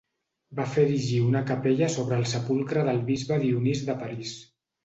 Va fer erigir una capella sobre el sepulcre del bisbe Dionís de París.